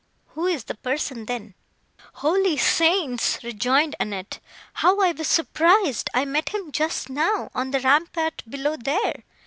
"Who is the person, then?" "Holy Saints!" rejoined Annette; "How I was surprised! I met him just now, on the rampart below, there.